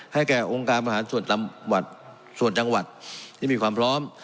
ให้แก่องค์การประหารส่วนจังหวัดที่มีความพร้อม